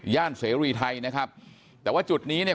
เสรีไทยนะครับแต่ว่าจุดนี้เนี่ย